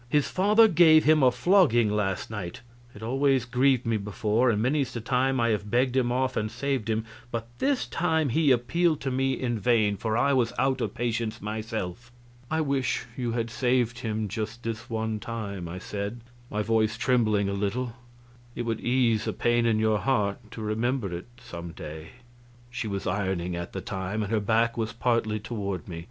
His father gave him a flogging last night. It always grieved me before, and many's the time I have begged him off and saved him, but this time he appealed to me in vain, for I was out of patience myself." "I wish you had saved him just this one time," I said, my voice trembling a little; "it would ease a pain in your heart to remember it some day." She was ironing at the time, and her back was partly toward me.